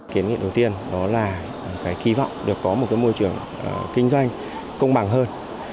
kiến nghị đầu tiên đó là cái kỳ vọng được có một môi trường kinh doanh công bằng hơn